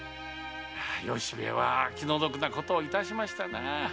由兵衛は気の毒なことをいたしましたな。